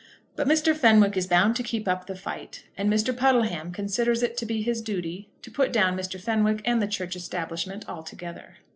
But Mr. Fenwick is bound to keep up the fight; and Mr. Puddleham considers it to be his duty to put down Mr. Fenwick and the Church Establishment altogether.